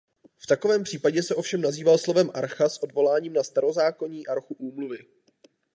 V takovém případě se ovšem nazýval slovem archa s odvoláním na starozákonní archu úmluvy.